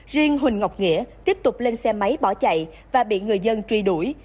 riêng huỳnh ngọc nghĩa tiếp tục lên xe máy bỏ chạy và bị người dân truy đuổi